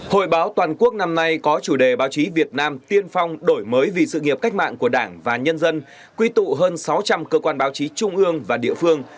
hội báo toàn quốc năm nay có chủ đề báo chí việt nam tiên phong đổi mới vì sự nghiệp cách mạng của đảng và nhân dân quy tụ hơn sáu trăm linh cơ quan báo chí trung ương và địa phương